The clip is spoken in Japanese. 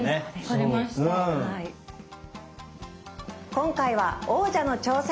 今回は王者の挑戦